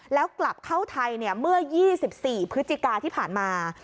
แล้วกลับเข้าไทยเมื่อ๒๔พฤศจิกาที่ผ่านมา